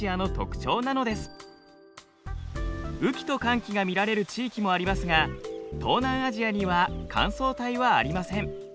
雨季と乾季が見られる地域もありますが東南アジアには乾燥帯はありません。